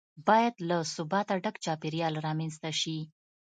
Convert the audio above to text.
باید له ثباته ډک چاپیریال رامنځته شي.